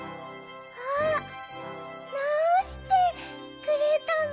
あっなおしてくれたの？